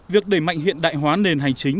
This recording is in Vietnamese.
việc đẩy mạnh hiện đại hóa nền hành chính